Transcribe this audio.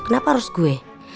kenapa harus gue